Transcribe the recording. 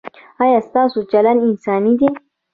ایا ستاسو چلند انساني دی؟